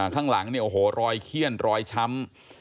ข้างหลังเนี่ยโอ้โหรอยเขี้ยนรอยช้ำ